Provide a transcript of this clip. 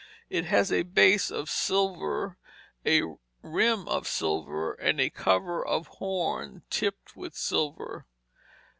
It has a base of silver, a rim of silver, and a cover of horn tipped with silver.